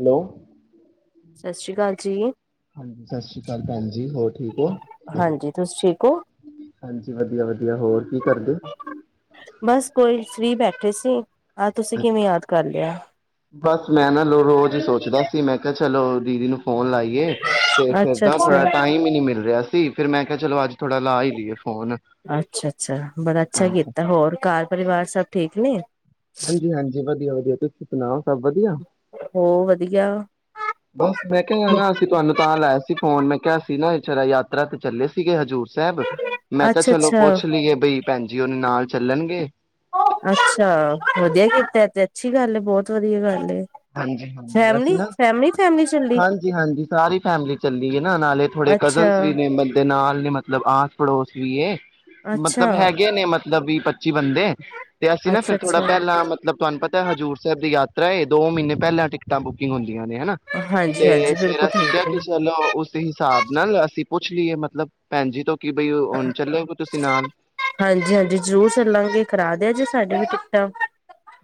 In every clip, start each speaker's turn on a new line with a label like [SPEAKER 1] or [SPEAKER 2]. [SPEAKER 1] Hello.
[SPEAKER 2] ਸਤ ਸ੍ਰੀ ਕਾਲ ਜੀ।
[SPEAKER 1] ਹਾਂਜੀ, ਸਤ ਸ੍ਰੀ ਕਾਲ ਭੈਣ ਜੀ ਹੋਰ ਠੀਕ ਹੋ?
[SPEAKER 2] ਹਾਂਜੀ ਤੁਸੀਂ ਠੀਕ ਹੋ?
[SPEAKER 1] ਹਾਂਜੀ ਵਧੀਆ-ਵਧੀਆ ਹੋਰ ਕੀ ਕਰਦੇ?
[SPEAKER 2] ਬਸ ਕੋਈ ਸਰੀ ਬੈਠੇ ਸੀ। ਆਹ ਤੁਸੀਂ ਕਿਵੇਂ ਯਾਦ ਕਰ ਲ [unintelligible]
[SPEAKER 1] ਬਸ। ਮੈਂ ਨਾ ਨੋ ਰੋਜ਼ ਈ ਸੋਚਦਾ ਸੀ ਮੈਂ ਕਿਆ ਚ ਚਲੋ ਦੀਦੀ ਨੂੰ ਫੋਨ ਲਾਈਏ ਤੇ ਫੇਰ
[SPEAKER 2] ਅੱਛਾ
[SPEAKER 1] ਨਾ ਥੋੜਾ
[SPEAKER 2] ਅੱਛਾ।
[SPEAKER 1] ਟਾਈਮ ਈ ਨੀ ਮਿਲ ਰਿਆ ਸੀ। ਫਿਰ ਮੈਂ ਕਿਆ ਚਲੋ ਅੱਜ ਥੋੜ੍ਹਾ ਲਾ ਈ ਲੀਏ ਫ
[SPEAKER 2] ਅੱਛਾ ਅੱਛਾ ਬੜਾ ਅੱਛਾ
[SPEAKER 1] ਹਾਂਜੀ
[SPEAKER 2] ਕੀਤਾ ਹੋਰ ਘਾਰ ਪਰਿਵਾਰ ਸਭ ਠੀਕ ਨੇ।
[SPEAKER 1] ਹਾਂਜੀ ਹਾਂਜੀ, ਵਧੀਆ ਵਧੀਆ। ਤੁਸੀਂ ਸੁਣਾਓ, ਸਭ ਵਧੀਆ
[SPEAKER 2] ਹੋ ਵਧੀਆ।
[SPEAKER 1] ਬਸ ਮੈਂ ਕਿਆ ਐਨਾ ਅਸੀਂ ਤੁਵਾਨੂੰ ਤਾਂ ਲਾਯਾ ਸੀ ਫੋਨ ਮੈਂ ਕਿਆ ਸੀ ਨਾ ਜਰਾ ਯਾਤਰਾ ਤੇ ਚੱਲੇ ਸੀਗੇ ਹਜ਼ੂਰ ਸੈਬ ਮੈਂ ਕਿਆ
[SPEAKER 2] ਅੱਛਾ
[SPEAKER 1] ਚਲੋ
[SPEAKER 2] ਅੱਛਾ।
[SPEAKER 1] ਪੁੱਛ ਲਈਏ ਬਈ ਭੈਣਜੀ ਔਰਨੇ ਨਾਲ ਚੱਲਣਗੇ।
[SPEAKER 2] ਅੱਛਾ, ਵਧੀਆ ਕੀਤੈ ਐਤੇ ਅੱਛੀ ਗੱਲ ਏ ਬੌਤ ਵਧੀਆ ਗੱਲ ਏ।
[SPEAKER 1] ਹਾਂਜੀ ਹਾਂਜੀ, ਅਸੀਂ
[SPEAKER 2] ਫੈਮਲੀ
[SPEAKER 1] ਨਾ
[SPEAKER 2] ਫੈਮਲੀ ਫੈਮਲੀ ਚੱਲੀ
[SPEAKER 1] ਹਾਂਜੀ ਹਾਂਜੀ ਸਾਰੀ ਫੈਮਲੀ ਚੱਲੀ ਏ ਨਾ ਨਾਲੇ ਥੋੜੇ
[SPEAKER 2] ਅੱਛਾ
[SPEAKER 1] ਕਜ਼ਨਸ ਵੀ ਨੇ ਬੰਦੇ ਨਾਲ। ਨੇ ਮਤਲਬ ਆਸ ਪੜੋਸ ਵੀ ਏ।
[SPEAKER 2] ਅੱਛਾ।
[SPEAKER 1] ਮਤਲਬ ਹੈਗੇ ਨੇ ਮਤਲਬ ਵੀ ਪ ਪਚੀ ਬੰਦੇ ਤੇ ਅਸੀਂ
[SPEAKER 2] ਅੱਛਾ
[SPEAKER 1] ਨਾ ਫੇਰ ਥੋੜਾ
[SPEAKER 2] ਅੱਛਾ
[SPEAKER 1] ਪੈਲਾਂ ਮਤਲਬ ਤੁਵਾਨੂੰ ਪਤਾ ਹਜ਼ੂਰ ਸੈਬ ਦੀ ਯਾਤ ਤਰਾ ਏ। ਦੋ ਮੀਨੇ ਪੈਲਾਂ ਟਿਕਟਾਂ ਬੁਕਿੰਗ ਹੂੰਦ ਆ ਨੇ ਹਨਾ
[SPEAKER 2] ਹਾਂਜੀ
[SPEAKER 1] ਤੇ
[SPEAKER 2] ਹਾਂਜੀ
[SPEAKER 1] ਫੇਰ
[SPEAKER 2] ਬਿਲਕੁਲ
[SPEAKER 1] ਅਸੀਂ ਕਿਆ
[SPEAKER 2] ਠੀਕ
[SPEAKER 1] ਕਿ ਚਲੋ
[SPEAKER 2] ਹੈ।
[SPEAKER 1] ਉਸ ਹਿਸਾਬ ਨਾਲ ਅਸੀਂ ਪੁੱਛ ਲੀਏ ਮਤਲਬ ਭੈਣ ਜੀ ਤੋਂ। ਕਿ ਬਈ ਹੁਣ ਚੱਲੋਗੇ ਤੁਸੀਂ ਨਾਲ
[SPEAKER 2] ਹਾਂਜੀ ਹਾਂਜੀ, ਜ਼ਰੂਰ ਚੱਲਾਂਗੇ ਕਰਾ ਦਿਆ ਜੇ ਸਾਡੇ ਵੀ ਠੀਕ ਠਾਕ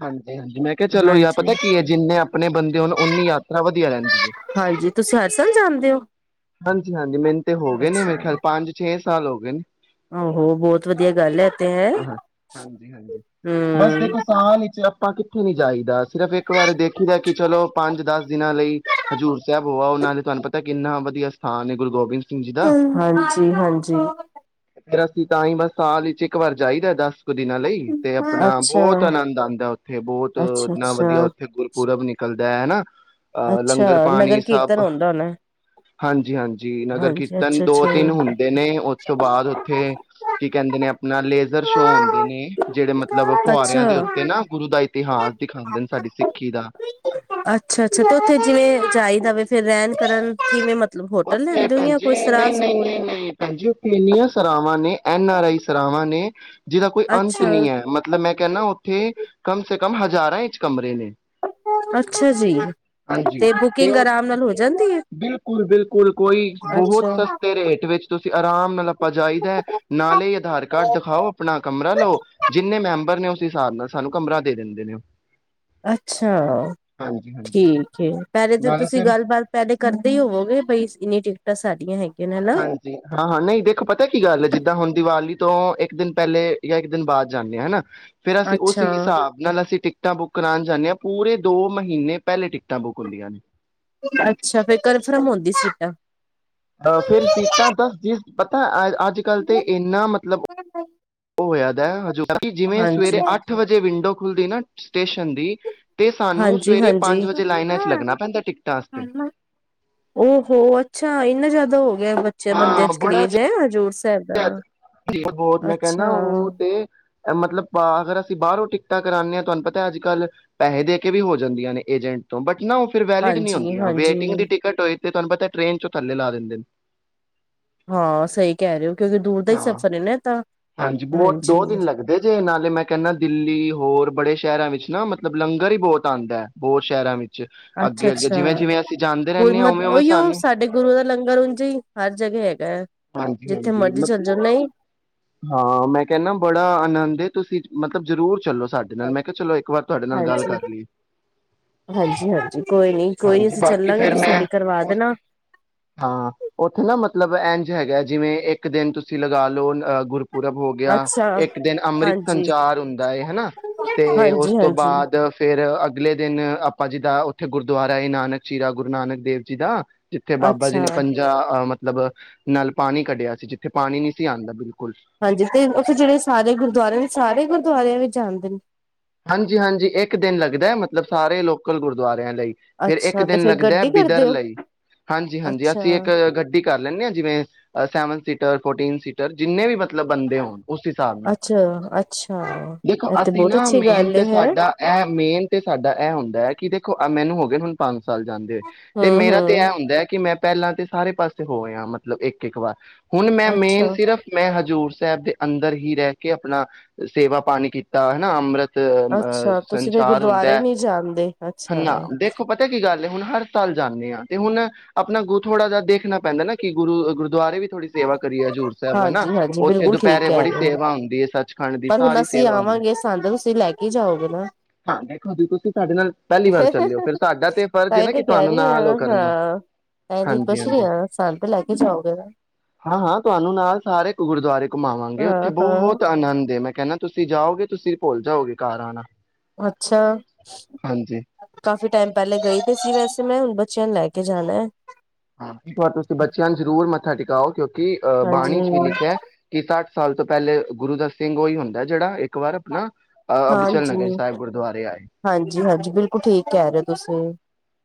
[SPEAKER 1] ਹਾਂਜੀ ਹਾਂਜੀ ਮੈਂ ਕਿਹਾ ਚਲੋ ਯਾਰ ਪਤਾ ਕੀ ਹੈ ਜਿੰਨੇ ਆਪਣੇ ਬੰਦੇ ਉਹਨ ਉਨੀ ਯਾਤਰਾ ਵਧੀਆ ਰਹਿੰਦੀ ਹੈ
[SPEAKER 2] ਹਾਂਜੀ ਤੁਸੀਂ ਹਰਸਾਲ ਜਾਂਦੇ ਹੋ
[SPEAKER 1] ਹਾਂਜੀ ਹਾਂਜੀ ਮੈਨੂੰ ਤੇ ਹੋ ਗਏ ਨੇ ਮੇਰੇ ਖਿਆਲ
[SPEAKER 2] ਅੱਛਾ
[SPEAKER 1] ਪੰਜ ਛੇ ਸਾਲ ਹੋ ਗਏ ਨੇੀ
[SPEAKER 2] ਆਹੋ ਬਹੁਤ ਵਧੀਆ ਗੱਲ ਹੈ ਤੇ ਹੈ
[SPEAKER 1] ਹਾਂ ਹਾਂਜੀ ਹਾਂਜੀ ਬਸ
[SPEAKER 2] ਹਮ
[SPEAKER 1] ਦੇਖੋ ਸਾਲ ਵਿੱਚ ਆਪਾਂ ਕਿੱਥੇ ਨੀ ਜਾਈਦਾ ਸਿਰਫ਼ ਇੱਕ ਵਾਰ ਦੇਖੀ ਦਾ ਕਿ ਚਲੋ ਪੰਜ ਦਸ ਦਿਨਾਂ ਲਈ ਹਜ਼ੂਰ ਸਾਹਿਬ ਹੋਆ ਉਹਨਾਂ ਨੇ ਤੁਹਾਨੂੰ ਪਤਾ ਕਿੰਨਾ ਦੀ ਅ ਸਥਾਨ ਨੇ ਗੁਰੂ ਗੋਬਿੰਦ ਸਿੰਘ ਜੀ ਦਾ
[SPEAKER 2] ਹਾਂਜੀ ਹਾਂਜੀ
[SPEAKER 1] ਫੇਰ ਤਾਂ ਹੀ ਬਸ ਸਾਲ ਵਿੱਚ ਇੱਕ ਵਾਰ ਜਾਈਦਾ ਦੱਸ ਇੱਕ ਦਿਨਾਂ ਲਈ ਤੇ ਆਪਣਾ
[SPEAKER 2] ਅੱਛਾ
[SPEAKER 1] ਬਹੁਤ ਆਨੰਦ ਆਉਂਦਾ ਉੱਥੇ ਬਹੁਤ
[SPEAKER 2] ਅੱਛਾ
[SPEAKER 1] ਇੰਨਾ ਵਧੀਆ
[SPEAKER 2] ਅੱਛਾ
[SPEAKER 1] ਉੱਥੇ ਗੁਰਪੁਰਬ ਨਿਕਲਦਾ [unintelligible]
[SPEAKER 2] ਅੱਛਾ
[SPEAKER 1] ਲੰਗਰ
[SPEAKER 2] ਨਗਰ ਕੀਰਤਨ ਆਦਾ ਉਹਨਾ
[SPEAKER 1] ਹਾਂਜੀ ਹਾਂਜੀ ਨਗਰ ਕੀਰਤਨ ਦੋ ਤਿੰਨ ਹੁੰਦੇ ਨੇ ਉਸ ਤੋਂ ਬਾਅਦ ਉੱਥੇ ਕੀ ਕਹਿੰਦੇ ਨੇ ਆਪਣਾ ਲੇਜ਼ਰ ਸ਼ੋਅ ਹੁੰਂਦੇ ਨੇ ਜਿਹੜੇ ਮਤਲਬ
[SPEAKER 2] ਅੱਛਾ
[SPEAKER 1] ਫੁਹਾਰਿਆਂ ਦੇ ਉੱਤੇ
[SPEAKER 2] ਅੱਛਾ
[SPEAKER 1] ਨਾ ਗੁਰੂ ਦਾ ਇਤਿਹਾਸ ਦਿਖਾਉਂਦੇ ਨੇ ਸਾਡੀ ਸਿੱਖੀ ਦਾ
[SPEAKER 2] ਅੱਛਾ ਅੱਛਾ ਤੇ ਉੱਥੇ ਜਿਵੇਂ ਜਾਈਦਾ ਵੇ ਫਿਰ ਰਹਿਣ ਕਰਨ ਮੈਂ
[SPEAKER 1] ਉਥੇ ਭੈ
[SPEAKER 2] ਏ
[SPEAKER 1] ਨਹੀਂ ਭੈਣ ਉਥੇ ਇਨੀਆਂ ਸਵਾਂ ਨੇ ਐਨ ਆਰ ਆਈ ਸਰਾਵਾਂ ਨੇ ਜਿਹਦਾ ਕੋਈ ਅੰਤ
[SPEAKER 2] ਅੱਛਾ
[SPEAKER 1] ਨੀ ਹੈ ਮਤਲਬ ਮੈਂ ਕਹਿੰਦਾ ਥੇ ਕਮ ਸੇ ਕਮ ਹਜ਼ਾਰਾਂ ਇੰਚ ਕਮਰੇ ਨੇ
[SPEAKER 2] ਅੱਛਾ ਜੀ ਤੇ ਬੁਕਿੰਗ ਆਰਾਮ ਨਾਲ ਹੋ ਜਾਂਦੀ ਹੈ
[SPEAKER 1] ਲ ਕੋਈ ਬਹੁਤ ਸਸਤੇ ਰੇਟ ਵਿੱਚ ਤੁਸੀਂ ਆਰਾਮ ਨਾਲ ਆਪਾਂ ਜਾਹੀਦਾ ਨਾਲੇ ਆਧਾਰ ਕਾਰਡ ਦਿਖਾਓ ਆਪਣਾ ਕਮਰਾ ਲਓ ਜਿੰਨੇ ਮੈਂ ਬਰ ਨੇ ਉਸ ਹਿਸਾਬ ਨਾਲ ਸਾਨੂੰ ਕਮਰਾ ਦੇ ਦਿੰਦੇ ਨੇ
[SPEAKER 2] ਅੱਛਾ
[SPEAKER 1] ਹਾਂਜੀ-ਹਾਂਜੀ
[SPEAKER 2] ਠੀਕ ਹੈ ਪਹਿਲੇ ਤਾਂ
[SPEAKER 1] ਨਾਲੇ
[SPEAKER 2] ਤੁਸੀਂ
[SPEAKER 1] ਫਿਰ
[SPEAKER 2] ਗੱਲਬਾਤ ਪਹਿਲੇ ਕਰਦੇ ਹੀ ਹੋਵੋਗੇ ਬਾਈ ਇੰਨੀ ਟਿਕਟਾਂ ਸਾਡੀਆਂ ਹੈਗੀਆਂ ਨੇ ਹਨਾ
[SPEAKER 1] ਹਾਂਜੀ ਹਾਂ ਹਾਂ ਨਹੀਂ ਦੇਖੋ ਪਤਾ ਕੀ ਗੱਲ ਹੈ ਜਿੱਦਾਂ ਹੁਣ ਦੀਵਾਲੀ ਤੋਂ ਇੱਕ ਦਿਨ ਪਹਿਲੇ ਜਾਂ ਇੱਕ ਦਿਨ ਬਾਅਦ ਜਾਂਦੇ ਹਾਂ ਹਨਾ ਫੇਰ ਅਸੀਂ ਉਸ
[SPEAKER 2] ਅੱਛਾ
[SPEAKER 1] ਹਿਸਾਬ ਨਾਲ ਅਸੀਂ ਟਿਕਟਾਂ ਬੁੱਕ ਕਰਾਉਣ ਜਾਂਦੇ ਹਾਂ ਪੂਰੇ ਦੋ ਮਹੀਨੇ ਪਹਿਲੇ ਟਿਕਟਾਂ ਬੁੱਕ ਹੁੰਦੀਆਂ ਨੇ
[SPEAKER 2] ਅੱਛਾ ਫੇਰ ਕਨਫਰਮ ਹੋੰਦੀ ਸੀਟਾਂ।
[SPEAKER 1] ਅਹ ਫੇਰ ਸੀਟਾਂ ਦੱਸ ਜਿਸ ਪਤਾ ਅ ਅੱਜ ਅੱਜ ਕੱਲ ਤੇ ਏਨਾ ਮਤਲਬ [unintelligible] ਕਰਾਈ, ਜਿਵੇਂ
[SPEAKER 2] ਹਾਂਜੀ
[SPEAKER 1] ਸਵੇਰੇ ਅੱਠ ਵਜੇ ਵਿੰਡੋ ਖੁੱਲਦੀ ਏਨਾ। ਟੇਸ਼ਨ ਦੀ ਤੇ ਸਾਨੂੰ ਸਵੇਰੇ
[SPEAKER 2] ਹਾਂਜੀ-ਹਾਂਜੀ।
[SPEAKER 1] ਪੰਜ ਵਜੇ ਲਾਈਨਾਂ ਚ ਲੱਗਣਾ ਪੈਂਦਾ ਟਿਕਟਾਂ ਅਸਤੇ।
[SPEAKER 2] ਓਹੋ ਅੱਛਾ [unintelligible] ਬੱਚੇ ਬੰਦਿਆਂ ਚ ਕਰੇਜ਼ ਐ ਹਜੂਰ ਸ
[SPEAKER 1] ਠੇ ਅੱਜ ਬੌਤ ਮੈਂ ਕੈੰਦਾ ਔ ਤੇ ਐ ਮਤਲਬ ਅਗਰ ਅਸੀਂ ਬਾਰੋਂ ਟਿਕਟਾ ਕਰਾਣੇ ਆਂ, ਤੁਹਾਨੂੰ ਪਤਾ ਅੱਜ ਕੱਲ੍ਹ ਪੈਸੇ ਦੇ ਕੇ ਵੀ ਹੋ ਜਾਂਦੀਆਂ ਨੇ ਏਜੰਟ ਤੋਂ ਬਟ ਨਾ ਔ ਫੇਰ ਵੈਲਿਡ ਨ੍ਹੀਂ ਹੁੰਦੀਆਂ
[SPEAKER 2] ਹਾਂਜੀ-ਹਾਂਜੀ
[SPEAKER 1] ਵੇਟਿੰਗ ਦੀ ਟਿਕਟ ਹੋਏ ਤੇ ਤੁਹਾਨੂੰ ਪਤਾ ਟ੍ਰੇਨ ਚੋਂ ਥੱਲੇ ਲਾ ਦਿੰਦੇ ਨੇ।
[SPEAKER 2] ਹਾਂ ਸਹੀ‌। ਕੈ ਰੇ ਹੋ ਕਿਓਕਿ ਦੂਰ ਦਾ ਈ
[SPEAKER 1] ਹਾਂ
[SPEAKER 2] ਸਫ਼ਰ ਏ ਨਾ ਐਤਾਂ।
[SPEAKER 1] ਹਾਂਜੀ ਬੌਤ ਦੋ ਦਿਨ ਲੱਗਦੇ ਜੇ ਨਾਲੇ ਮੈਂ ਕੈੰਣਾ ਦਿੱਲੀ ਹੋਰ ਬੜੇ ਸੈ਼ਰਾਂ ਵਿੱਚ ਨਾ ਮਤਲਬ ਲੰਗਰ ਈ ਬੌਤ ਆਂਦੈ, ਬੌਤ ਸੈ਼ਰਾਂ ਵਿੱਚ।
[SPEAKER 2] ਅੱਛਾ
[SPEAKER 1] ਅੱਗੇ ਅੱਗੇ
[SPEAKER 2] ਅੱਛਾ
[SPEAKER 1] ਜਿਵੇਂ ਜਿਵੇਂ ਅਸੀਂ ਜਾਂਦੇ ਰਹਿੰਦੇ
[SPEAKER 2] ਹੁਣ
[SPEAKER 1] ਹਾਂ ਉਵੇਂ
[SPEAKER 2] ਮਤ
[SPEAKER 1] ਉਵੇਂ
[SPEAKER 2] ਔਈਔ
[SPEAKER 1] ਸਾਨੂੰ
[SPEAKER 2] ਸਾਡੇ ਗੁਰੂ ਦਾ ਲੰਗਰ ਉੰਝੇ ਈ ਹਰ ਜਗ੍ਹਾ ਹੈਗੈ।
[SPEAKER 1] ਹਾਂਜੀ ਹਾਂਜੀ, ਮਤ ਹਾਂ ਮੈਂ ਕੈਣਾ ਬੜਾ ਆਨੰਦ ਏ ਤੁਸੀਂ ਮਤਲਬ ਜਰੂਰ ਚੱਲੋ। ਸਾਡੇ ਨਾਲ ਮੈਂ ਕਿਆ ਚਲੋ ਇੱਕ ਵਾਰ ਤੁਹਾਡੇ ਨਾਲ ਗੱਲ
[SPEAKER 2] ਹਾਂਜੀ।
[SPEAKER 1] ਕਰ ਲੀਏ,
[SPEAKER 2] ਹਾਂਜੀ-ਹਾਂਜੀ ਕੋਈ ਨੀ ਕੋਈ ਨੀ
[SPEAKER 1] ਹਾਂਜੀ
[SPEAKER 2] ਅਸੀਂ
[SPEAKER 1] ਬਾਕੀ
[SPEAKER 2] ਚੱਲਾਂਗੇ
[SPEAKER 1] ਫਿਰ
[SPEAKER 2] ਤੁਸੀਂ
[SPEAKER 1] ਮੈਂ
[SPEAKER 2] ਸਾਡੀ ਕਰਵਾ ਦੇਣਾ
[SPEAKER 1] ਹਾਂ ਓਥ ਓਥੇ ਨਾ ਮਥ ਮਤਲਬ ਐਂਝ ਹੈਗੈ ਜਿਵੇਂ ਇੱਕ ਦਿਨ ਤੁਸੀਂ ਲਗਾ ਲੋ ਅਹ ਗੁਰਪੁਰਬ ਹੋ ਗਿਆ
[SPEAKER 2] ਅੱਛਾ।
[SPEAKER 1] ਇੱਕ ਦਿਨ ਅੰਮ੍ਰਿਤ
[SPEAKER 2] ਹਾਂਜੀ,
[SPEAKER 1] ਸੰਚਾਰ ਹੁੰਦਾ ਏ ਹਨਾ ਤੇ ਉਸ ਤੋਂ
[SPEAKER 2] ਹਾਂਜੀ-ਹਾਂਜੀ
[SPEAKER 1] ਬਾਅਦ ਫੇਰ ਅਗ ਅਗਲੇ ਦਿਨ ਆਪਾਂ ਜੀਦਾ ਔਥੇ ਗੁਰਦੁਆਰਾ ਏ ਨਾਨਕ ਝੀਰਾ ਗੁਰੂ ਨਾਨਕ ਦੇਵ ਜੀ ਦਾ। ਜਿੱਥੇ ਬਾਬਾ ਜੀ
[SPEAKER 2] ਅੱਛਾ
[SPEAKER 1] ਨੇ ਪੰਜਾ ਅ ਮ ਮਤਲਬ ਨਾਲ ਪਾਣੀ ਕੱਢਿਆ ਸੀ ਜਿੱਥੇ ਪਾਣੀ ਨਹੀਂ ਸੀ ਆਂਦਾ ਬਿਲਕ
[SPEAKER 2] ਹਾਂਜੀ ਤੇ ਔਥੇ ਜੇੜੇ ਸਾਰੇ ਗੁਰਦੁਆਰੇ ਨੇ ਸਾਰੇ ਗੁਰ ਗੁਰਦੁਆਰਿਆਂ ਵੀ ਜਾਂਦੇ ਨੇ।
[SPEAKER 1] ਹਾਂਜੀ ਹਾਂਜੀ, ਏਕ ਦਿਨ ਲੱਗਦੈ ਮਤਲਬ ਸਾਰੇ ਲੋਕਲ ਗੁਰਦੁਆਰ ਰੀਆਂ ਲਈ, ਫਿਰ ਏਕ
[SPEAKER 2] ਅੱਛਾ ਤੇ
[SPEAKER 1] ਦਿਨ
[SPEAKER 2] ਫੇਰ
[SPEAKER 1] ਲੱਗਦੈ
[SPEAKER 2] ਗੱਡੀ
[SPEAKER 1] ਬਿਦਰ
[SPEAKER 2] ਕਰਦੇ ਹੋ
[SPEAKER 1] ਲਈ। ਹਾਂਜੀ ਹਾਂਜੀ,
[SPEAKER 2] ਅੱਛਾ
[SPEAKER 1] ਅਸੀਂ ਇੱਕ ਗੱਡੀ ਕਰ ਲੈਂਣੇ ਆਂ। ਜਿਵੇਂ ਸੈਵਨ ਸੀਟਰ ਫੋਰਟੀਨ ਸੀਟਰ ਜਿੰਨੇ ਵੀ ਮਲ ਤਲਬ ਬੰਦੇ ਹੋਣ ਉਸ ਹਿਸਾਬ ਨਾਲ,
[SPEAKER 2] ਅੱਛਾ ਅੱਛਾ
[SPEAKER 1] ਦੇਖੋ
[SPEAKER 2] ਇਹ ਤੇ
[SPEAKER 1] ਅਸੀਂ
[SPEAKER 2] ਬਹੁਤ
[SPEAKER 1] ਨਾ
[SPEAKER 2] ਅੱਛੀ
[SPEAKER 1] ਮੇਨ
[SPEAKER 2] ਗੱਲ
[SPEAKER 1] ਤੇ
[SPEAKER 2] ਹੈ
[SPEAKER 1] ਸਾਡਾ ਇਹ ਮੇਨ ਤੇ ਸਾਡਾ ਇਹ ਹੁੰਦਾ ਹੈ ਕਿ ਦੇਖੋ ਮੈਨੂੰ ਦੇ ਹੁਣ ਪੰਜ ਹਰ ਸਾਲ ਜਾਂਦੇ ਹੋ ਤੇ
[SPEAKER 2] ਹਮ
[SPEAKER 1] ਮੇਰਾ ਤੇ
[SPEAKER 2] ਹਮ
[SPEAKER 1] ਇਹ ਹੁੰਦਾ ਹੈ ਕਿ ਮੈਂ ਪਹਿਲਾਂ ਤਾਂ ਸਾਰੇ ਪਾਸੇ ਹੋਏ ਆ ਮਤਲਬ ਇੱਕ, ਇੱਕ ਵਾਰ। ਹੁਣ ਮੈਂ
[SPEAKER 2] ਅੱਛਾ
[SPEAKER 1] ਮੇਨ ਸਿਰਫ ਮੈਂ ਹਜ਼ੂਰ ਸਾਹਿਬ ਦੇ ਅੰਦਰ ਹੀ ਰਹਿ ਕੇ ਆਪਣਾ ਸੇਵਾ ਪਾਣੀ ਕੀਤਾ ਹਨਾ ਅੰਮ੍ਰਿਤ ਅ
[SPEAKER 2] ਅੱਛਾ ਤੁਸੀਂ ਫਿਰ
[SPEAKER 1] ਸੰਚਾਰ ਹੁੰਦਾ
[SPEAKER 2] ਗੁਰਦੁਆਰੇ
[SPEAKER 1] ਹੈ
[SPEAKER 2] ਨਹੀਂ ਜਾਂਦੇ
[SPEAKER 1] ਹਨ
[SPEAKER 2] ਅੱਛਾ
[SPEAKER 1] ਨਾ ਦੇਖੋ ਪਤਾ ਕੀ ਗੱਲ। ਹੁਣ ਹਰ ਸਾਲ ਜਾਂਦੇ ਹਾਂ ਤੇ ਹੁਣ ਆਪਣਾ ਅਗੋ ਥੋੜਾ ਜਿਹਾ ਦੇਖਣਾ ਪੈਂਦਾ ਨਾ ਕਿ ਗੁਰੂ ਗੁਰਦੁਆਰੇ ਵੀ ਥੋੜ੍ਹੀ ਸੇਵਾ। ਕਰੀਏ ਹਜ਼ੂਰ ਸਾਹਿਬ ਹਨਾ
[SPEAKER 2] ਹਾਂਜੀ ਹਾਂਜੀ
[SPEAKER 1] ਉੱਥੇ
[SPEAKER 2] ਬਿਲਕੁਲ ਠੀਕ
[SPEAKER 1] ਦੁਪਹਿਰੇ
[SPEAKER 2] ਕਹਿ
[SPEAKER 1] ਬੜੀ
[SPEAKER 2] ਰਹੇ ਹੋ
[SPEAKER 1] ਸੇਵਾ ਹੁੰਦੀ ਹੈ ਸੱਚ।
[SPEAKER 2] ਪਰ ਹੁਣ ਅਸੀਂ ਆਵਾਂਗੇ ਸਾਂਦ ਲੋ।
[SPEAKER 1] ਹਾਂ ਦੇਖੋ ਜੀ ਤੁਸੀਂ ਸਾਡੇ ਨਾਲ ਪਹਿਲੀ ਵਾਰ ਚੱਲਿਓ ਫਿਰ ਸਾਡਾ ਤੇ ਫਰਜ਼ ਹੈ
[SPEAKER 2] ਤਾਂਹੀ
[SPEAKER 1] ਨਾ
[SPEAKER 2] ਤੇ
[SPEAKER 1] ਕਿ
[SPEAKER 2] ਕਹਿ
[SPEAKER 1] ਤੁਹਾਨੂੰ
[SPEAKER 2] ਰਹੀ
[SPEAKER 1] ਨਾਲ ਉਹ
[SPEAKER 2] ਹਾਂ
[SPEAKER 1] ਕਰਨਾ।
[SPEAKER 2] ਹਾਂ ਤਾਂਹੀ ਤੇ
[SPEAKER 1] ਹਾਂਜੀ
[SPEAKER 2] ਪੁੱਛ ਰਹੀ
[SPEAKER 1] ਹਾਂਜੀ
[SPEAKER 2] ਹਾਂ ਸਾਨੂੰ ਤੇ ਲੈ ਕੇ ਜਾਓਗੇ ਨਾ
[SPEAKER 1] ਹਾਂ ਹਾਂ ਤੁਹਾਨੂੰ ਨਾਲ ਸਾਰੇ ਇੱਕ ਗੁਰਦੁਆਰੇ ਘੁਮਾਵਾਂਗੇ ਉੱਥੇ
[SPEAKER 2] ਹਾਂ
[SPEAKER 1] ਬਹੁਤ
[SPEAKER 2] ਹਾਂ
[SPEAKER 1] ਆਨੰਦ ਐ। ਕਹਿੰਦਾ ਤੁਸੀਂ ਜਾਓਗੇ ਤੁਸੀਂ। ਭੁੱਲ ਜਾਓਗੇ ਕਾਰ ਆਣਾ।
[SPEAKER 2] ਅੱਛਾ ਕਾਫ਼ੀ ਟਾਈਮ ਪਹਿਲੇ ਗਈ ਤੇ ਸੀ ਵੈਸੇ ਮੈਂ ਹੁਣ ਬਚ ਬੱਚਿਆਂ ਨੂੰ ਲੈ ਕੇ ਜਾਣਾ ਹੈ।
[SPEAKER 1] ਹਾਂ ਇੱਕ ਤੁਸੀਂ ਬੱਚਿਆਂ ਨੂੰ ਜ਼ਰੂਰ ਮੱਥਾ ਟਿਕਓ ਕਿਉਂਕਿ ਅਹ ਬਾਣੀ ਚ ਵੀ
[SPEAKER 2] ਹਾਂਜੀ,
[SPEAKER 1] ਲਿਖਿਆ ਕਿ ਸ। ਸਾਲ ਤੋਂ ਪਹਿਲੇ ਗੁਰੂ ਦਾ ਸਿੰਘ ਉਹੀ ਹੁੰਦਾ ਜਿਹੜਾ ਇੱਕ ਵਾਰ ਆਪਣਾ ਅ ਅਬਚਲ ਨਗਰ
[SPEAKER 2] ਹਾਂਜੀ
[SPEAKER 1] ਸਾਹਿਬ ਗੁਰਦੁਆਰੇ ਆਏ
[SPEAKER 2] ਹਾਂਜੀ ਹਾਂਜੀ ਬਿਲਕੁਲ ਠੀਕ ਕਹਿ ਰਹੇ ਹੋ ਤੁਸੀਂ।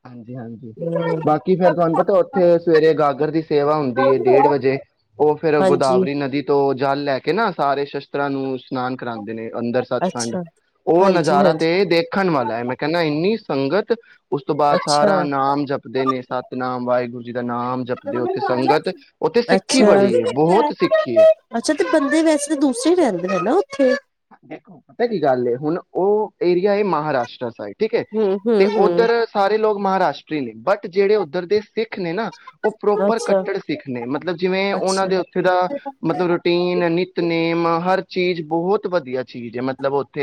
[SPEAKER 1] ਹਾਂਜੀ ਹਾਂਜੀ
[SPEAKER 2] ਹੂੰ।
[SPEAKER 1] ਬਾਕੀ ਫੇਰ ਤੁਹਾਨੂੰ ਪਤਾ ਉੱਥੇ ਸਵੇਰੇ ਗਾਗਰ ਦੀ ਸੇਵਾ ਹੁੰਦੀ ਹੈ। ਡੇਢ ਵਜੇ ਉਹ ਫੇਿਰ
[SPEAKER 2] ਹਾਂਜੀ,
[SPEAKER 1] ਗੋਦਾਵਰੀ ਨਦੀ ਤੋਂ। ਜਲ ਲੈ ਕੇ ਨਾ ਸਾਰੇ ਸ਼ਸਤਰਾਂ ਨੂੰ। ਇਸ਼ਨਾਨ ਕਰਾਉਂਦੇ ਨੇ ਅੰਦਰ ਸੱਚਖੰਡ
[SPEAKER 2] ਅੱਛਾ,
[SPEAKER 1] ਉਹ
[SPEAKER 2] ਹਾਂਜੀ,
[SPEAKER 1] ਨਜ਼ਾਰਾ
[SPEAKER 2] ਹਾਂਜੀ,
[SPEAKER 1] ਤੇ ਦੇਖਣ ਵਾਲਾ ਹੈ। ਮੈਂ ਕਹਿੰਦਾ ਇੰਨੀ ਸੰਗਤ ਉਸ। ਉਸ ਤੋਂ ਬਾਅਦ
[SPEAKER 2] ਅੱਛਾ।
[SPEAKER 1] ਸਾਰਾ ਨਾਮ ਜਪਦੇ ਨੇ ਸਤਨਾਮ ਵਾਹਿਗੁਰੂ। ਜੀ ਦਾ ਨਾਮ ਜਪਦੇ ਉੱਥੇ ਸੰਗਤ ਉੱਥੇ ਸਿੱਖੀ
[SPEAKER 2] ਅੱਛਾ
[SPEAKER 1] ਬੜੀ ਏ ਬਹੁਤ ਸਿੱਖੀ ਏ
[SPEAKER 2] ਅੱਛਾ ਤੇ ਬੰਦੇ ਵੈਸੇ ਤਾਂ ਦੂਸਰੇ ਰਹਿੰਦੇ ਹੈਨਾ। ਠੀਕ।
[SPEAKER 1] ਦੇਖੋ ਪਤਾ ਕੀ ਗੱਲ ਏ ਹੁਣ ਉਹ ਏਰੀਆ ਹੈ, ਮਹਾਰਾਸ਼ਟਰ ਸਾਈਡ। ਠੀਕ ਹੈ,
[SPEAKER 2] ਹੂੰ, ਹੂੰ,
[SPEAKER 1] ਤੇ ਉੱਧਰ
[SPEAKER 2] ਹੂੰ
[SPEAKER 1] ਸਾਰੇ ਲੋਕ। ਮਹਾਰਾਸ਼ਟਰੀ ਨੇ, ਬਟ ਜਿਹੜੇ ਉੱਧਰ ਦੇ ਸਿੱਖ ਸਿੱਖ ਨੇ ਨਾ, ਉਹ ਪ੍ਰੋਪਰ
[SPEAKER 2] ਅੱਛਾ,
[SPEAKER 1] ਕੱਟੜ ਸਿੱਖ ਨੇ, ਮਤਲਬ ਜਿਵੇਂ ਉਹਨਾਂ
[SPEAKER 2] ਅੱਛਾ।
[SPEAKER 1] ਦੇ ਉੱਥੇ ਦਾ ਮਤਲਬ ਰੂਟੀਨ ਨਿੱਤਨੇਮ। ਹਰ ਚੀਜ਼ ਬਹੁਤ। ਵਧੀਆ ਚੀਜ਼ ਹੈ ਮਤਲਬ ਉ ਥ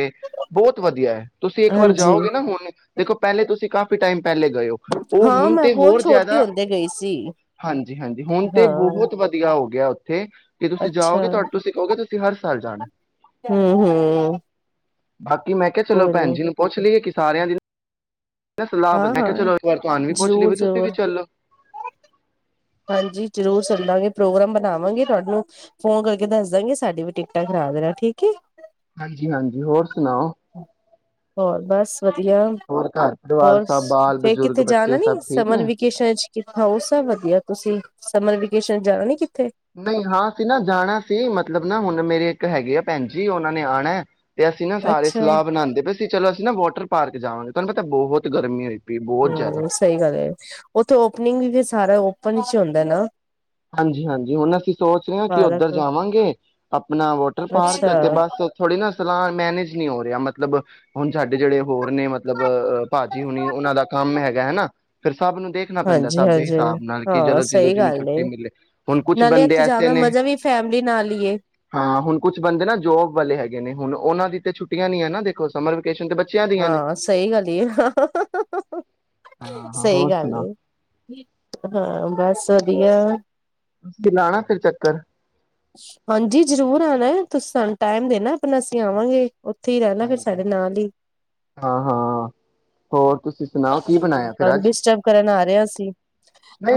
[SPEAKER 1] ਬਹੁਤ ਵਧੀਆ ਹੈ, ਤੁਸੀਂ ਇੱਕ ਵਾਰ
[SPEAKER 2] ਹਾਂਜੀ,
[SPEAKER 1] ਜਾਓਗੇ ਨਾ, ਹੁਣ ਦੇਖੋ ਪਹਿਲੇ ਤੁਸੀਂ ਕਾਫੀ ਟਾਈਮ ਪਹਿਲੇ ਗਏ ਉਹ
[SPEAKER 2] ਹਾਂ
[SPEAKER 1] ਹੁਣ
[SPEAKER 2] ਮੈਂ
[SPEAKER 1] ਤੇ,
[SPEAKER 2] ਬਹੁਤ
[SPEAKER 1] ਹੋਰ
[SPEAKER 2] ਛੋਟੀ
[SPEAKER 1] ਜ਼ਿਆਦਾ,
[SPEAKER 2] ਹੁੰਦੇ ਗਈ ਸੀ
[SPEAKER 1] ਹਾਂਜੀ- ਹਾਂਜੀ ਹੁਣ ਤੇ
[SPEAKER 2] ਹਾਂ।
[SPEAKER 1] ਬਹੁਤ ਵਧੀਆ ਹੋ ਗਿਆ। ਤੇ, ਕਿ ਤੁਸੀਂ
[SPEAKER 2] ਅੱਛਾ,
[SPEAKER 1] ਜਾਓਗੇ ਤੁਹਾਡੇ ਤੂਸੀਂ ਕਹੋਗੇ ਤੁਸੀਂ ਹਰ ਸਾਲ ਜਾਣਾ।
[SPEAKER 2] ਹਮ, ਹਮ।
[SPEAKER 1] ਬਾਕੀ ਮੈਂ, ਕਿਹਾ ਚਲੋ, ਭੈਣ ਜੀ ਨੂੰ ਪੁੱਛ ਲਈਏ ਕਿਸ ਸਾਰਿਆਂ ਦੀ ਮ ਸਲਾਹ ਬ ਮੈਂ
[SPEAKER 2] ਹਾਂ-ਹਾਂ
[SPEAKER 1] ਕਿਹਾ ਚਲੋ, ਇੱਕ ਵਾਰ ਤੁਹਾਨ ਵੀ ਪੂਛ ਲਈ ਏ, ਵੀ ਤੁਸੀ ਵੀ
[SPEAKER 2] ਜ਼ਰੂਰ-ਜ਼ਰੂਰ
[SPEAKER 1] ਚੱਲੋ
[SPEAKER 2] ਹਾਂਜੀ, ਜ਼ਰੂਰ ਸੁਣਦਾਂਗੇ ਪ੍ਰੋਗਰਾਮ ਬਣਾਵਾਂਗੇ ਤੁਹਾਨੂੰ ਫੋਨ ਕਰਕੇ, ਦੱਸ ਦਾਂਗੇ ਸਾਡੀ ਵੀ ਟਿਕਟਾਂ ਖਰਾ ਰਹਾ ਠੀਕ ਹੈ।
[SPEAKER 1] ਹਾਂਜੀ, ਹਾਂਜੀ। ਹੋਰ, ਸੁਣਾਓ?
[SPEAKER 2] ਹੋਰ ਬਸ। ਵਧੀਆ
[SPEAKER 1] ਹੋਰ ਘਰ ਪਰਿਵਾਰ
[SPEAKER 2] ਹੋਰ,
[SPEAKER 1] ਸਭ ਬਾਲ
[SPEAKER 2] ਫਿਰ
[SPEAKER 1] ਬਜ਼ੁਰਗ
[SPEAKER 2] ਕਿੱਥੇ
[SPEAKER 1] ਬੱਚੇ
[SPEAKER 2] ਜਾਣਾ ਨੀ,
[SPEAKER 1] ਸਭ ਠੀਕ
[SPEAKER 2] ਸਮਰ
[SPEAKER 1] ਨੇ
[SPEAKER 2] ਵੇਕੇਸ਼ਨ ਚ ਕਿੱਥਾਂ ਉਹ ਸਭ ਵਧੀਆ। ਸਮਰ ਵੇਕੇਸ਼ਨ ਜਾਣਾ ਨੀ, ਕਿ
[SPEAKER 1] ਨਹੀਂ, ਹਾਂ, ਅਸੀ ਨਾ ਜਾਣਾ ਸੀ, ਮਤਲਬ ਮਤਲਬ ਨਾ, ਹੁਣ ਮੇਰੇ ਇੱਕ ਹੈਗੇ ਆ ਭੈਣ ਜੀ, ਉਹਨਾਂ ਨੇ ਆਉਣਾ। ਤੇ, ਅਸੀਂ ਨਾ ਸਾਰੇ
[SPEAKER 2] ਅੱਛਾ
[SPEAKER 1] ਸਲਾਹ ਬਣਾਂਦੇ ਪਏ ਸੀ, ਚਲੋ ਨਾ ਵਾਟਰ ਪਾਰਕ ਜਾਵਾਂਗੇ, ਤੁਹਾਨੂੰ ਪਤਾ ਬਹੁਤ ਗਰਮੀ ਹੋਈ। ਪਈ ਬਹੁਤ ਜ਼ਿਆਦਾ
[SPEAKER 2] ਹਮ, ਸਹੀ ਗੱਲ ਹੈ, ਉੱਥੇ ਓਪਨਿੰਗ ਵੀ ਫਿਰ ਸਾਰਾ ਆਪਾਂ ਨੀਚੇ ਹੁੰਦਾ ਨਾ
[SPEAKER 1] ਹਾਂਜੀ, ਹਾਂਜੀ, ਹੁਣ ਅਸੀਂ ਸੋਚ ਰਹੇ ਹਾਂ, ਕਿ ਉੱਧਰ
[SPEAKER 2] ਪਾਰਕ
[SPEAKER 1] ਜਾਵਾਂਗੇ ਆਪਣਾ ਵਾਟਰ ਪਾਰਕ
[SPEAKER 2] ਅੱਛਾ
[SPEAKER 1] ਤੇ, ਬਸ ਥੋੜ੍ਹੀ ਨਾ ਸਲਾਹ ਮੈਨੇਜ ਨਹੀਂ ਹੋ ਰਿਹਾ ਮ ਮਤਲਬ ਹੁਣ ਸਾਡੇ ਜਿਹੜੇ ਹੋਰ ਨੇ, ਮਤਲਬ ਭਾਜੀ ਹੁਣੀ ਉਹਨਾਂ ਦਾ ਕੰਮ ਹੈਗਾ ਹਨਾ, ਫਿਰ ਸਭ ਨੂੰ ਦੇਖਣਾ ਪੈਂਦਾ, ਸਭ ਦੇ
[SPEAKER 2] ਹਾਂਜੀ-ਹਾਂਜੀ
[SPEAKER 1] ਹਿਸਾਬ ਨਾਲ ਕਿ,
[SPEAKER 2] ਹਾਂ
[SPEAKER 1] ਜਦੋਂ
[SPEAKER 2] ਸਹੀ
[SPEAKER 1] ਜੀਨੁ
[SPEAKER 2] ਗੱਲ ਏ
[SPEAKER 1] ਛੁੱਟ ਹੁਣ, ਕੁਛ
[SPEAKER 2] ਨਾਲੇ
[SPEAKER 1] ਬੰਦੇ
[SPEAKER 2] ਇੱਥੇ ਜਾਣ
[SPEAKER 1] ਐਸੇ
[SPEAKER 2] ਦਾ
[SPEAKER 1] ਨੇ,
[SPEAKER 2] ਮਜ਼ਾ ਵੀ ਫੈਮਿਲੀ ਨਾਲ ਹੀ ਏ।
[SPEAKER 1] ਹਾਂ ਹੁਣ ਕੁਛ ਬੰਦੇ ਨਾ ਜੋਬ ਵਾਲੇ ਹੈਗੇ ਨੇ, ਹੁਣ ਉਹ ਉਹਨਾ ਦੀ ਤੇ ਛੁੱਟੀਆ ਨੀ ਹੈ, ਨਾ ਦੇਖੋ ਸਮਰ ਵੇਕੇਸ਼ਨ ਤੇ ਬੱਚਿਆਂ ਦੀਆਂ ਨੇ
[SPEAKER 2] ਹਾਂ, ਸਹੀ ਗੱਲ,
[SPEAKER 1] ਹਾਂ
[SPEAKER 2] ਸਹੀ
[SPEAKER 1] ਹੋਰ
[SPEAKER 2] ਗੱਲ,
[SPEAKER 1] ਸੁਣਾ
[SPEAKER 2] ਹਾਂ ਬਸ। ਵਧੀਆ।
[SPEAKER 1] ਅਸੀ ਲਾਣਾ ਫਿਰ ਚੱਕਰ
[SPEAKER 2] ਹਾਂਜੀ। ਜਰੂਰ ਆਉਣਾ ਹੈ, ਤੁਸੀਂ ਸਾਨੂੰ ਟਾਈਮ ਦੇਣਾ ਆਪਣਾ ਅਸੀਂ ਆਵਾਂਗੇ। ਉਥੇ ਰਹਿਣਾ ਫਿਰ
[SPEAKER 1] ਹਾਂਜੀ
[SPEAKER 2] ਸਾਡੇ ਨਾਲ ਹੀ
[SPEAKER 1] ਹਾਂ ਹਾਂ ਹੋਰ ਤੁਸੀਂ ਸੁਣਾਓ ਕੀ
[SPEAKER 2] ਹਮ
[SPEAKER 1] ਬਣਾਇਆ ਫਿਰ
[SPEAKER 2] ਤੁਾਨੂੰ
[SPEAKER 1] ਅੱਜ
[SPEAKER 2] ਡਿਸਟਰਬ ਕਰਨ ਆ ਰਿਹਾ ਅ ਸੀ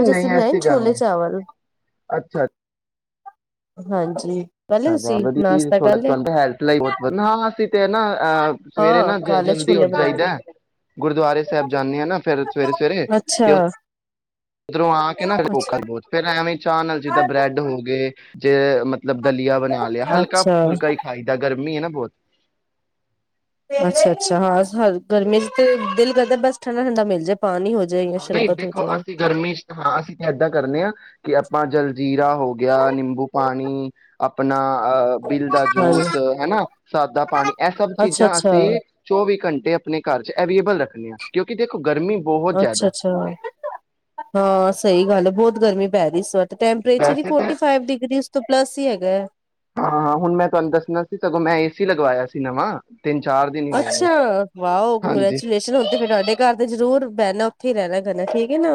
[SPEAKER 2] ਅੱਜ ਅਸੀਂ ਬਣਾਏ
[SPEAKER 1] ਐਸੀ ਗੱਲ ਨਹੀਂ
[SPEAKER 2] ਛੋਲੇ ਚਾਵਲ
[SPEAKER 1] ਅੱਛਾ,
[SPEAKER 2] ਹਾਂਜੀ ਕਰ ਲਿਆ
[SPEAKER 1] ਅੱਛਾ
[SPEAKER 2] ਤੁਸੀਂ ਨਾਸ਼ਤਾ ਕਰ ਲਿਆ।
[SPEAKER 1] ਤੇ ਨਾ ਅਹ ਸਵੇਰੇ
[SPEAKER 2] ਹਾਂ
[SPEAKER 1] ਨਾ
[SPEAKER 2] ਕਾਲੇ
[SPEAKER 1] ਜਲਦੀ
[SPEAKER 2] ਛੋਲੇ
[SPEAKER 1] ਉੱਠ
[SPEAKER 2] ਬਣਾਏ ਨੇ।
[SPEAKER 1] ਜਾਈਦਾ ਗੁਰਦੁਆਰੇ ਸਾਹਿਬ ਜਾਂਦੇ ਆ ਨਾ ਫਿਰ ਸਵੇਰੇ ਸਵੇਰੇ ਤੇ
[SPEAKER 2] ਅੱਛਾ
[SPEAKER 1] ਉਧਰੋਂ ਆ ਕੇ ਨਾੋਲ ਬਹੁਤ ਫਿਰ ਐਵੇਂ ਚਾਹ ਨਾਲ ਜਿੱਦਾਂ ਬਰੈੱਡ ਹੋ ਗਏ ਜੇ ਮਤਲਬ ਦਲੀਆ ਬਣਾ ਲਿਆ
[SPEAKER 2] ਅੱਛਾ
[SPEAKER 1] ਹਲਕਾ
[SPEAKER 2] ਅੱਛਾ
[SPEAKER 1] ਹੁਲਕਾ ਹੀ ਖਾਈਦਾ ਗਰਮੀ ਹਨ ਨਾ [unintelligible]
[SPEAKER 2] ਅੱਛਾ ਅੱਛਾ ਹਾਂ ਹ ਗਰਮੀ ਚ ਦਿਲ ਕਰਦਾ ਬਸ ਠੰਡਾ ਠੰਡਾ ਮਿਲ ਜਾਏ ਪਾਣੀ ਹੋ ਜਾਏ ਜਾਂ
[SPEAKER 1] ਨਹੀਂ
[SPEAKER 2] ਸ਼ਰਬਤ ਹੋ
[SPEAKER 1] ਦੇਖੋ
[SPEAKER 2] ਜਾਏ
[SPEAKER 1] ਅਸੀਂ ਗਰਮੀ ਚ ਤਾਂ ਹਾਂ ਅਸੀਂ ਤਾਂ ਇਏਦਾਂ ਕਰਨੇ ਹਾਂ ਕਿ ਆਪਾਂ ਜਲਜੀਰਾ ਹੋ ਗਿਆ ਨਿੰਬੂ ਪਾਣੀ ਣੀ ਆਪਣਾ ਅਹ ਬਿਲ ਦਾ
[SPEAKER 2] ਹਾਂਜੀ
[SPEAKER 1] ਜੂਸ ਹਨਾ ਸਾਦਾ ਪਾਣੀ ਇਹ ਸਭ
[SPEAKER 2] ਅੱਛਾ
[SPEAKER 1] ਚੀਜ਼ਾਂ
[SPEAKER 2] ਅੱਛਾ
[SPEAKER 1] ਅਸੀਂ ਚੌਵੀ ਘੰਟੇ ਆਪਣੇ ਘਰ ਚ ਅਵੇਲੇਬਲ ਰੱਖ ਕਿਉਂਕਿ ਦੇਖੋ ਗਰਮੀ ਬਹੁਤ
[SPEAKER 2] ਅੱਛਾ ਅੱਛਾ ਹਾਂ ਸਹੀ ਗੱਲ ਹੈ ਬਹੁਤ ਗਰਮੀ ਪੈ ਰਹੀ ਸੀ ਸ ਟਪਰੇਚਰ ਹੀ
[SPEAKER 1] ਵੈਸੇ ਤਾਂ
[SPEAKER 2] ਫੋਰਟੀ ਫਾਈਵ ਡਿਗਰੀ ਉਸ ਤੋਂ ਪਲੱਸ ਹੀ ਹੈਗਾ ਹੈ
[SPEAKER 1] ਹਾਂ ਹਾਂ ਹੁਣ ਮੈਂ ਤੁਹਾਨੂੰ ਦੱਸਣਾ ਸਗੋਂ ਮੈਂ ਸੀ ਏਸੀ ਲਗਵਾਇਆ ਸੀ ਨਵਾਂ ਤਿੰਨ ਚਾਰ ਦਿਨ ਹੀ ਹੋਏ ਨੇ
[SPEAKER 2] ਅੱਛਾ ਵੋ
[SPEAKER 1] ਹਾਂਜੀ
[SPEAKER 2] ਕੰਗ੍ਰੈਚੂਲੇਸ਼ਨ ਹੁਣ ਤੇ ਫਿਰ ਤੁਹਾਡੇ ਘਰ ਤੇ ਜ਼ਰੂਰ ਬਹਣਾ [unintelligible]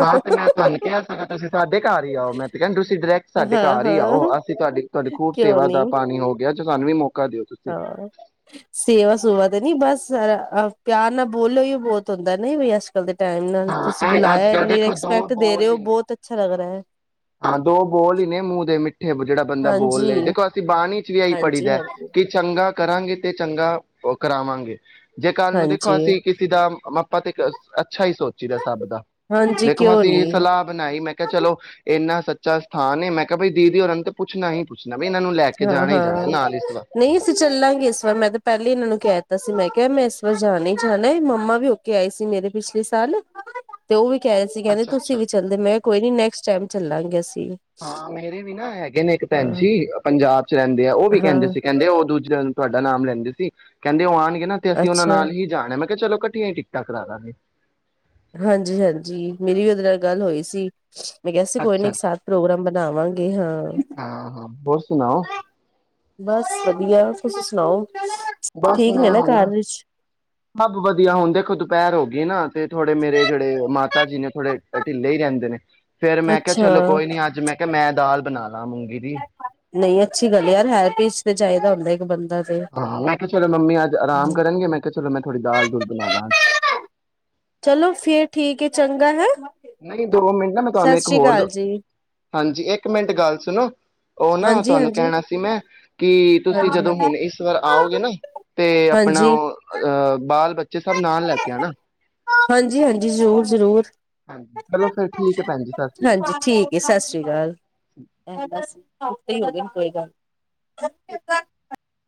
[SPEAKER 1] ਹਾਂ ਤੇ ਮੈਂ ਤੁਹਾਨੂੰ ਕਿਹਾ ਤੁਸੀਂ ਸਾਡੇ ਘਰ ਹੀ ਆਓ ਮੈਂ ਤੇ ਕਹਿਣ ਤੁਸੀਂ ਡਾਇਰੈਕਟ ਸਾਡੇ
[SPEAKER 2] ਹਾਂ
[SPEAKER 1] ਘਰ ਹੀ ਆਓ
[SPEAKER 2] ਹਾਂ
[SPEAKER 1] ਅਸੀਂ ਤੁਹਾਡੀ ਤੁਹਾਡੀ ਖੂਬ
[SPEAKER 2] ਕਿਉਂ
[SPEAKER 1] ਸੇਵਾ
[SPEAKER 2] ਨੀ
[SPEAKER 1] ਦਾ ਪਾਣੀ ਹੋ ਗਿਆ ਸਾਨੂੰ ਵੀ ਮੌ
[SPEAKER 2] ਹਾਂ ਸੇਵਾ ਸੂਵਾ ਤੇ ਨੀ ਬਸ ਸਾਰਹ ਪਿਆਰ ਨਾਲ ਬੋਲੋ ਹੀ ਉਹ ਬਹੁਤ ਹੁੰਦਾ ਨਹੀਂ ਦੇ ਟਾਈਮ ਨਾਲ ਤੁਸੀਂ
[SPEAKER 1] ਹਾਂ ਇਹ ਅੱਜ
[SPEAKER 2] ਬੁਲਾਇਆ
[SPEAKER 1] ਕੱਲ੍ਹ
[SPEAKER 2] ਇੰਨੀ
[SPEAKER 1] ਦੇਖੋ ਦੋ
[SPEAKER 2] ਰਿਸਪੈਕਟ ਦੇ ਰਹੇ
[SPEAKER 1] ਬੋਲ ਹੀ
[SPEAKER 2] ਹੋ
[SPEAKER 1] ਨੇ।
[SPEAKER 2] ਬਹੁਤ ਅੱਛਾ ਲੱਗ ਰਿਹਾ ਹੈ
[SPEAKER 1] ਹਾਂ ਦੋ ਬੋਲ ਹੀ ਨੇ ਮੂੰਹ ਦੇ [unintelligible] ਠੇ ਜਿਹੜਾ ਬੰਦਾ ਬੋਲ
[SPEAKER 2] ਹਾਂਜੀ
[SPEAKER 1] ਲ ਦੇਖੋ ਅਸੀਂ ਬਾਣੀ ਚ ਵੀ ਆਹੀ ਪੜ੍ਹੀ
[SPEAKER 2] ਹਾਂਜੀ
[SPEAKER 1] ਦਾ ਹੈ
[SPEAKER 2] ਹਾਂ
[SPEAKER 1] ਕਿ ਚੰਗਾ ਕਰਾਂਗੇ ਤੇ ਚੰਗਾ ਉਹ ਕਰਾਵਾਂਗੇ ਜੇ ਕੱਲ ਨੂੰ ਦੇਖੋ
[SPEAKER 2] ਹਾਂਜੀ
[SPEAKER 1] ਅਸੀਂ ਕਿਸੇ ਦਾ ਆਪਾ ਤੇ ਇੱਕ ਅੱਛਾ ਹੀ ਸੋਚੀ ਦਾ ਸਭ ਦਾ
[SPEAKER 2] ਹਾਂਜੀ
[SPEAKER 1] ਦੇਖੋ
[SPEAKER 2] ਕਿਉਂ ਨੀ
[SPEAKER 1] ਅਸੀਂ ਸਲਾਹ ਬਣਾਈ ਮੈਂ ਕਿਹਾ ਚਲੋ ਇੰਨਾ ਸੱਚਾ ਸਥਾਨਏ ਮੈਂ ਕਿਹਾ ਭਾਈ ਦੀਦੀ ਰ ਅੰਤ ਪੁੱਛਣਾ ਹੀ ਪੁੱਛਿਆ
[SPEAKER 2] ਹਾਂ ਹਾਂ ਨਹੀਂ ਅਸੀਂ ਚੱਲਾਂਗੇ ਇਸ ਵਾਰ ਮੈਂ ਤਾਂ ਪਹਿਲੇ ਹੀ ਇਹਨਾਂ ਨੂੰ ਕਹਿ ਦਿੱਤਾ ਸੀ ਮੈਂ ਕਿਹਾ ਮੈਂ ਇਸ ਵਾਰ ਜਾਣਾ ਹੀ ਜਾਣਾ ਮੰਮਾ ਵੀ ਹੋਕੇ ਆਏ ਸੀ ਮੇਰੇ ਪਿਛਲੇ ਸਾਲ ਤੇ ਉਹ ਵੀ ਕਹਿ ਰ ਸੀ ਕਹਿੰਦੇ
[SPEAKER 1] ਅੱਛਾ-ਅੱਛਾ
[SPEAKER 2] ਤੁਸੀਂ ਵੀ ਚੱਲਦੇ ਮੈਂ ਕਿਹਾ ਕੋਈ ਨੀ ਨੈਕਟ ਟਾਈਮ ਚੱਲ ਗੈ
[SPEAKER 1] ਹਾਂ ਮੇਰੇ ਵੀ ਨਾ ਹੈਗੇ ਨੇ ਇੱਕ
[SPEAKER 2] ਹਾਂ
[SPEAKER 1] ਭੈਣ ਜੀ ਪੰਜਾਬ ਰਹਿੰਦੇ ਆ ਉਹ ਵੀ
[SPEAKER 2] ਹਾਂ
[SPEAKER 1] ਕਹਿੰਦੇ ਸੀ ਕਹਿੰਦੇ ਉਹ ਦੂਜੇ ਤੁਹਾਡਾ ਨਾਮ ਲੈਂਦੇ ਸੀ ਕਹਿੰਦੇ ਉਹ ਆ ਨਹੀਂ ਨਾ ਤੇ ਅਸੀਂ ਉਹਨਾਂ
[SPEAKER 2] ਅੱਛਾ
[SPEAKER 1] ਨਾਲ ਹੀ ਜਾਣੇ ਮੈਂ ਕਿਹਾ ਚਲੋ ਘੱਠਆ ਹੀ ਟਿਕਟਾਂ ਕਰਾ ਦਾਂਗੇ
[SPEAKER 2] ਹਾਂਜੀ ਹਾਂਜੀ ਮੇਰੀ ਵੀ ਉਹਦੇ ਨਾਲ ਗੱਲ ਹੋਈ ਸੀ ਮੈਂ ਕਿਹਾ ਸੀ ਕੋਈ ਨੀ
[SPEAKER 1] ਅੱਛਾ
[SPEAKER 2] ਇੱਕ
[SPEAKER 1] ਅੱਛਾ
[SPEAKER 2] ਸਾਥ ਪ੍ਰੋਗਰਾਮ ਬਣਾਵਾਂਗੇ ਹਾਂ
[SPEAKER 1] ਹਾਂ ਹਾਂ ਹੋਰ ਸੁਣਾਓ
[SPEAKER 2] ਬਸ ਵਧੀਆ ਤੁਸੀ ਸੁਣਾਓ
[SPEAKER 1] ਬਸ
[SPEAKER 2] ਠੀਕ ਨੇ
[SPEAKER 1] ਮੈਂ
[SPEAKER 2] ਨਾ
[SPEAKER 1] ਹੁਣਾ
[SPEAKER 2] ਘਰ ਵਿੱਚ
[SPEAKER 1] ਸਭ ਵਧੀਆ ਹੁਣ ਦੇਖੋ ਦੁਪਹਿਰ ਹੋ ਗਈ ਨਾ ਅਤੇ ਥੋੜੇਰੇਿਹੜੇ ਮਾਤਾ ਜੀ ਨੇ ਥੋੜੇ ਢਿੱਲੇ ਹੀ ਰਹਿੰਦੇ ਨੇ ਫੇਰ ਮੈਂ ਕਿਹਾ
[SPEAKER 2] ਅੱਛਾ
[SPEAKER 1] ਚਲੋ ਕੋਈ ਨੀ ਅੱਜ ਮੈਂ ਕਿਹਾ ਮੈਂ ਦਾਲ ਬਣਾ ਲਾ ਮੂੰਗੀ ਦੀ
[SPEAKER 2] ਨਹੀਂ ਅੱਛੀ ਗੱਲ ਯਾਰ ਹੈਰ ਪੀਜ ਤੇ ਚਾਹੀਦਾ ਹੁੰਦਾ ਬੰਦਾ ਤੇ
[SPEAKER 1] ਹਾਂ ਮੈਂ ਕਿਹਾ ਚਲੋ ਮੰਮੀ ਅੱਜ ਆਰਾਮ ਕਰਨਗੇ ਮੈਂ ਕਿਹਾ ਚਲੋ ਮੈਂ ਥੋੜ੍ਹੀ ਦਾਲ ਦੂਲ ਬਣਾ ਲਾਂ ਅੱਜ
[SPEAKER 2] ਚਲੋ ਫੇਰ ਠੀਕ ਹੈ ਚੰਗਾ ਹੈ
[SPEAKER 1] ਨਹੀਂ ਦੋੋ ਮਿੰਟ ਨਾ ਮੈਂਕਾਨ
[SPEAKER 2] ਸਤਿ
[SPEAKER 1] ਇੱਕ
[SPEAKER 2] ਸ੍ਰੀ ਅਕਾਲ
[SPEAKER 1] ਹੋਰ
[SPEAKER 2] ਜੀ
[SPEAKER 1] ਹਾਂਜੀ ਇੱਕ ਮਿੰਟ ਗੱਲ ਸੁਣੋ ਉਹ ਨਾ
[SPEAKER 2] ਹਾਂਜੀ
[SPEAKER 1] ਤੁਹਾਨੂੰ
[SPEAKER 2] ਹਾਂਜੀ
[SPEAKER 1] ਕਹਿਣਾ ਸੀ ਮੈਂ ਕਿ ਤੁਸੀਂ ਜਦੋਂ
[SPEAKER 2] ਹਾਂਜੀ
[SPEAKER 1] ਹੁਣ ਇਸ ਵਾਰ ਆਓਗੇ ਨਾ ਤੇ ਆਪਣਾ
[SPEAKER 2] ਹਾਂਜੀ
[SPEAKER 1] ਅਹ ਬਾਲ ਬ
[SPEAKER 2] ਹਾਂਜੀ ਹਾਂਜੀ ਜ਼ਰੂਰ ਜ਼ਰੂਰ
[SPEAKER 1] ਹਾਂਜੀ। ਚਲੋ ਫਿਰ ਠੀਕ ਹੈ ਭੈਣ ਜੀ ਸਤਿ ਸ਼੍ਰੀ ਅਕਾਲ।
[SPEAKER 2] ਹਾਂਜੀ ਠੀਕ ਹੈ ਸਤਿ ਸ੍ਰੀ ਅਕਾਲ ਹੋ ਕੋਈ ਗੱਲ ਨਹੀਂ